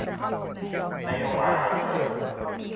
นโยบายรัฐเปิดเผย